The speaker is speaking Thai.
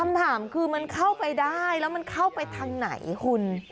คำถามคือมันเข้าไปได้แล้วมันเข้าไปทางไหนคุณ